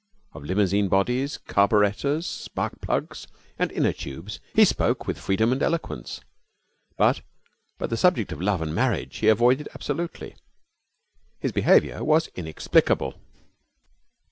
Of limousine bodies, carburettors, spark plugs, and inner tubes he spoke with freedom and eloquence, but the subject of love and marriage he avoided absolutely. His behaviour was inexplicable.